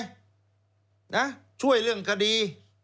เป็นเอาช่วยเรื่องคดี